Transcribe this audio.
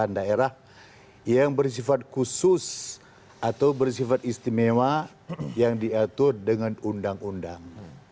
daerah yang bersifat khusus atau bersifat istimewa yang diatur dengan undang undang